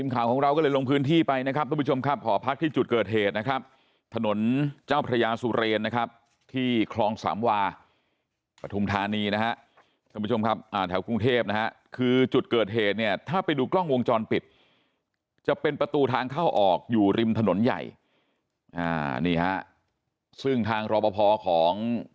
ขังแฟนไว้ในห้องกลับมาก็ทุกทีอย่างนี้ประมาณนี้อย่างนี้